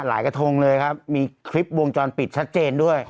กระทงเลยครับมีคลิปวงจรปิดชัดเจนด้วย